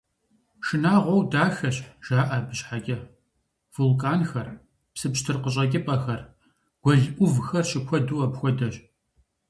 «Шынагъуэу дахэщ» жаӀэ абы щхьэкӀэ: вулканхэр, псы пщтыр къыщӀэкӀыпӀэхэр, гуэл Ӏувхэр щыкуэду апхуэдэщ.